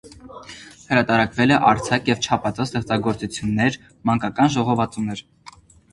Հրատարակել է արձակ և չափածո ստեղծագործություններ, մանկական ժողովածուներ։